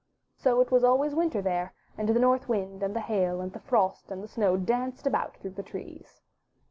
So it was always Winter there, and the North Wind, and the Hail, and the Frost, and the Snow danced about through the trees.